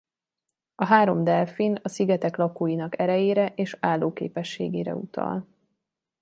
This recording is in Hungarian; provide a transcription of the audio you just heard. A három delfin a szigetek lakóinak erejére és állóképességére utal.